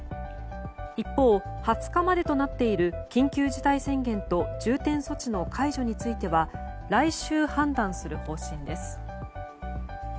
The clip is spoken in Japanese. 一方、２０日までとなっている緊急事態宣言と重点措置の解除については来週判断する方針です。